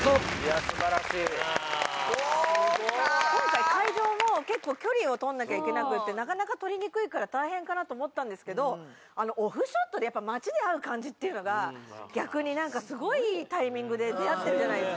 今回会場も結構距離を取んなきゃいけなくてなかなか撮りにくいから大変かなと思ったんですけどオフショットで街で会う感じっていうのが逆になんかスゴいいいタイミングで出会ってるじゃないですか。